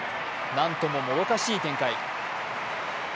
何とも、もどかしい展開。